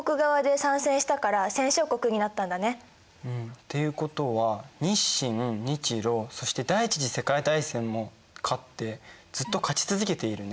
っていうことは日清日露そして第一次世界大戦も勝ってずっと勝ち続けているね。